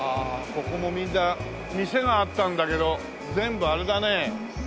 ここもみんな店があったんだけど全部あれだね。